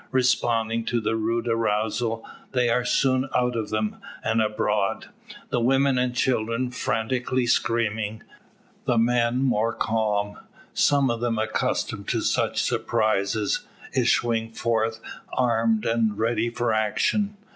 Responding to the rude arousal, they are soon out of them, and abroad; the women and children frantically screaming; the men more calm; some of them accustomed to such surprises, issuing forth armed, and ready for action.